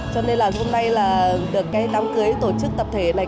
cho nên là hôm nay là được cái đám cưới tổ chức tập thể này